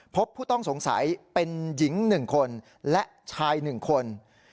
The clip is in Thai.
พบผู้ต้องสงสัยเป็นหญิง๑คนและชาย๑คน